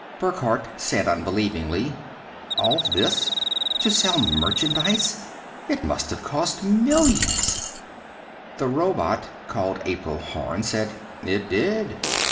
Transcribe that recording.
Burckhardt said unbelievingly, "All this to sell merchandise! It must have cost millions!" The robot called April Horn said, "It did.